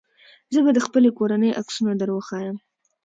زه به د خپلې کورنۍ عکسونه دروښيم.